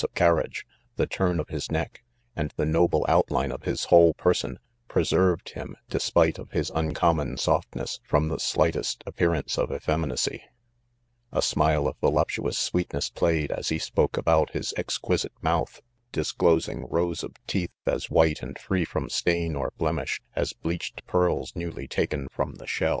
STBANGffiB* 25 carriage j the turn of Ms neck, and the noble outline of his whole person, preserved him, de spite of his uncommon softness, from the slight est appearance of effeminacy, A smile of vo luptuous sweetness played, as he spoke, about his exquisite mouth, and disclosed rows of teeth as white and free from stain or blemish, as bleachedpearls newly taken from the oyster.